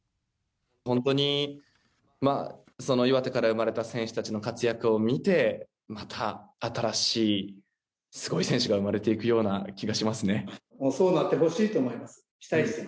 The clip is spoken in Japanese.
本当に岩手から生まれた選手たちの活躍を見てまた新しいすごい選手が生まれていくような気がしますね。